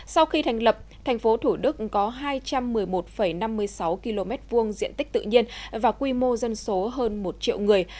sau khi thành lập tp thủ đức có hai trăm một mươi một năm mươi sáu km hai diện tích tự nhiên và quy mô dân số hơn một triệu người